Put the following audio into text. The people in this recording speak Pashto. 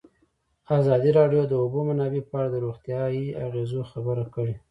ازادي راډیو د د اوبو منابع په اړه د روغتیایي اغېزو خبره کړې.